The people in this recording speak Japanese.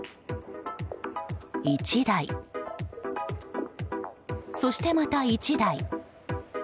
１台、そしてまた１台。